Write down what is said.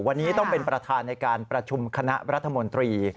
วันนี้ต้องเป็นประธานในการประชุมคณะรัฐมนตรี